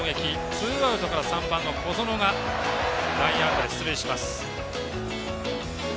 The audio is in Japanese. ツーアウトから３番の小園が内野安打で出塁します。